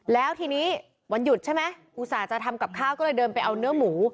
แล้วทีนี้วันหยุดใช่ไหมอุตส่าห์จะทำกับข้าวก็เลยเดินไปเอาเนื้อหมู